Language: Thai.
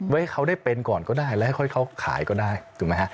ให้เขาได้เป็นก่อนก็ได้แล้วค่อยเขาขายก็ได้ถูกไหมฮะ